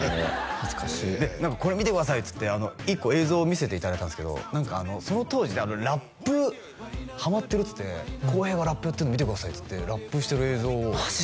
懐かしい「これ見てください」って１個映像見せていただいたんですけど何かその当時ラップハマってるって「洸平がラップやってるの見てください」ってラップしてる映像マジ？